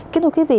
kính thưa quý vị